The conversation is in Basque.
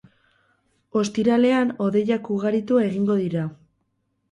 Ostiralean hodeiak ugaritu egingo dira.